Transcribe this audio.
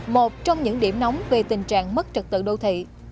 một trong những điểm nóng về tình trạng mất trật tự đô thị